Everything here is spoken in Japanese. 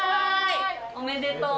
おめでとう！